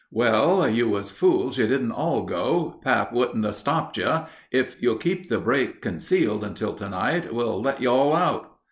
"Well, you was fools you didn't all go; pap wouldn't 'a' stopped you. If you'll keep the break concealed until night we'll let you all out."